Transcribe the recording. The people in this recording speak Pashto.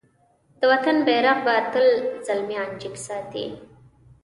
د وطن بېرغ به تل زلميان جګ ساتی.